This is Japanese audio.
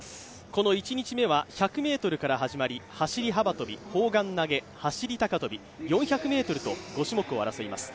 この１日目は１００ｍから始まり走幅跳、砲丸投、走高跳、４００ｍと５種目を争います。